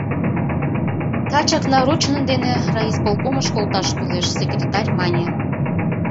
Тачак нарочный дене райисполкомыш колташ кӱлеш, — секретарь мане.